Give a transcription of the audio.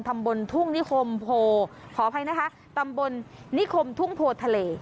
ตำบลทุ่งนิคมโพขออภัยนะคะตำบลนิคมทุ่งโพทะเล